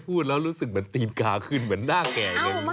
พูดแล้วรู้สึกเหมือนตีนกาขึ้นเหมือนหน้าแก่เลย